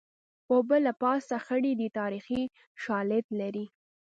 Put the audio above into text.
اوبه له پاسه خړې دي تاریخي شالید لري